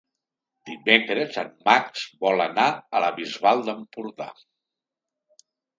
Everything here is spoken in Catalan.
Dimecres en Max vol anar a la Bisbal d'Empordà.